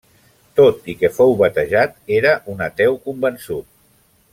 Tot i que fou batejat, era un ateu convençut.